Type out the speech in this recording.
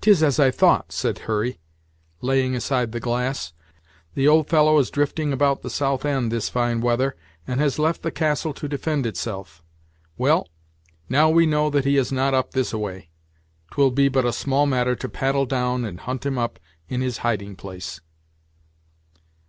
"'Tis as I thought," said Hurry, laying aside the glass, "the old fellow is drifting about the south end this fine weather, and has left the castle to defend itself. Well, now we know that he is not up this a way, 'twill be but a small matter to paddle down and hunt him up in his hiding place."